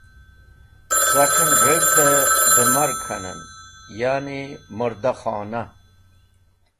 Saken reg̃hde da murg k̃hanen (ya’ni murdakhona).